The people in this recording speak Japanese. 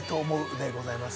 でございます。